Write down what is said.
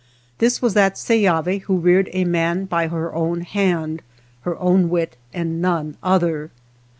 This was that Seyavi who reared a man by her own hand, her own wit, and none other.